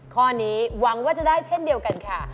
ข้อนี้หวังว่าจะได้เช่นเดียวกันค่ะ